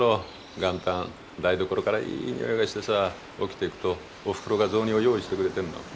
元旦台所からいい匂いがしてさ起きていくとおふくろが雑煮を用意してくれているの。